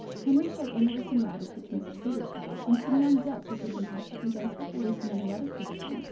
Henry showed Emily some rabbits which Mrs. Goodriche had, and some young ducks which had been hatched a few days before, with many other pretty things.